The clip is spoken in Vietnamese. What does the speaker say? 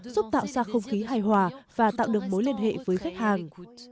giúp tạo ra không khí hài hòa và tạo được mối liên hệ với khách hàng